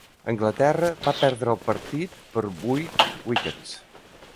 Anglaterra va perdre el partit per vuit wickets.